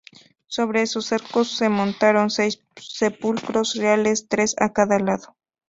Sobre esos arcos se montaron seis sepulcros reales, tres a cada lado.